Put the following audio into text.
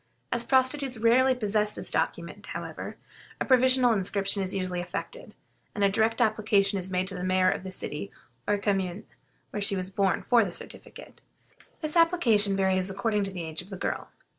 As prostitutes rarely possess this document, however, a provisional inscription is usually effected, and a direct application is made to the mayor of the city or commune where she was born for the certificate. This application varies according to the age of the girl.